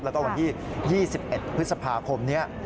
แล้วก็วันที่๒๑พฤษภาคมนี้